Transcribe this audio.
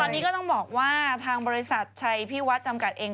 ตอนนี้ก็ต้องบอกว่าทางบริษัทชัยพิวัฒน์จำกัดเอง